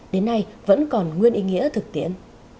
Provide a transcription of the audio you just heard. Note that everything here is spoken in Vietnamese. đến nay vẫn còn nguyên ý nghĩa thực tiễn